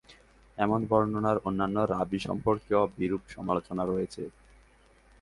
এ বর্ণনার অন্যান্য রাবী সম্পর্কেও বিরূপ সমালোচনা রয়েছে।